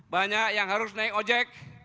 banyak yang harus naik ojek